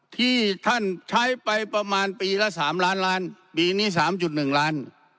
ที่ท่านใช้ไปประมาณปีละสามล้านล้านปีนี้สามจุดหนึ่งล้าน